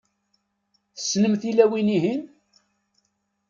Tessnem tilawin-ihin?